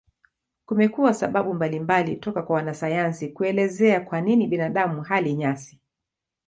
Kumekuwa sababu mbalimbali toka kwa wanasayansi kuelezea kwa nini binadamu hali nyasi.